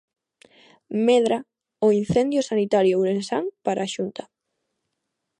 Medra o incendio sanitario ourensán para a Xunta.